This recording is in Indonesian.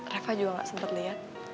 reva juga gak sempet liat